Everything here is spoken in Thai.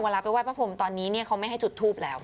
เวลาไปไห้พระพรมตอนนี้เขาไม่ให้จุดทูปแล้ว